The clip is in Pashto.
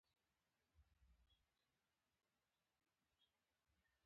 دا اعلامیه مخکې له مخکې ترتیب شوې وه.